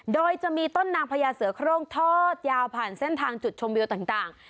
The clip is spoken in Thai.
โดยจะมีต้นนางพญาเสือโครงทอดยาวผ่านเส้นทางจุดชมวิวต่าง